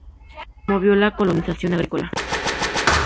Promovió la colonización agrícola.